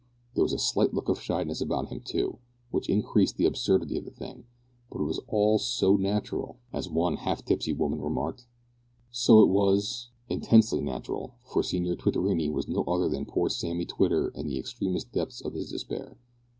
There was a slight look of shyness about him, too, which increased the absurdity of the thing, and it was all so natural, as one half tipsy woman remarked. So it was intensely natural for Signor Twittorini was no other than poor Sammy Twitter in the extremest depths of his despair.